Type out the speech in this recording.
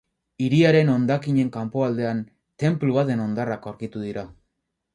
Hiriaren hondakinen kanpoaldean, tenplu baten hondarrak aurkitu dira.